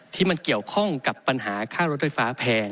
ที่มันเกี่ยวข้องกับปัญหาค่ารถไฟฟ้าแพง